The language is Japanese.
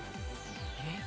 えっ？